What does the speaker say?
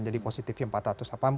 jadi positifnya empat ratus delapan puluh